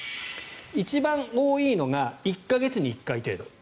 一番多いのが１か月に１回程度。